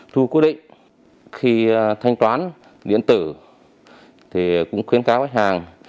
thu quy định khi thanh toán điện tử thì cũng khuyến cáo khách hàng